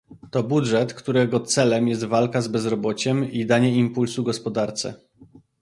To budżet, którego celem jest walka z bezrobociem i danie impulsu gospodarce